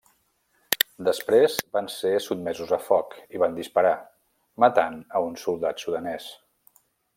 Després van ser sotmesos a foc, i van disparar, matant a un soldat sudanès.